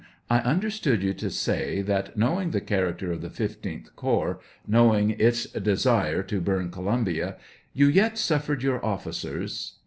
I understood you to say that, knowing the char acter of the 15th corps, knowing its desire to burn Columbia, you yet suffered your officers — A.